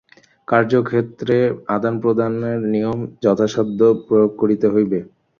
কার্যক্ষেত্রে আদান-প্রদানের নিয়ম যথাসাধ্য প্রয়োগ করিতে হইবে।